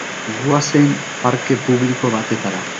Goazen parke publiko batetara